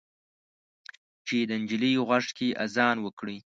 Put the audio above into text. چې د نجلۍ غوږ کې اذان وکړئ